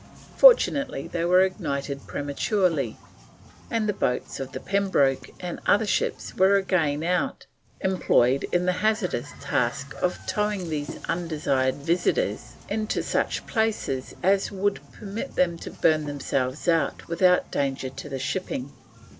Fortunately they were ignited prematurely, and the boats of the Pembroke and other ships were again out, employed in the hazardous task of towing these undesired visitors into such places as would permit them to burn themselves out without danger to the shipping.